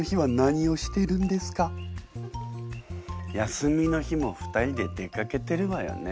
休みの日も２人で出かけてるわよね。